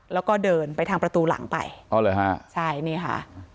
แล้วก็เดินไปทางประตูหลังไปอ๋อเหรอฮะใช่นี่ค่ะ